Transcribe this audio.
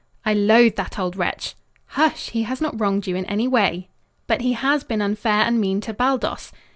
"I loathe that old wretch!" "Hush! He has not wronged you in any way." "But he has been unfair and mean to Baldos."